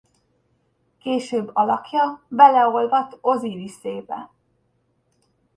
Később alakja beolvadt Oziriszébe.